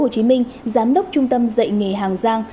hồ chí minh giám đốc trung tâm dạy nghề hàng giang